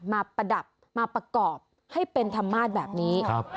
ประดับมาประกอบให้เป็นธรรมาศแบบนี้